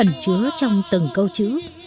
ẩn trứ trong từng câu chữ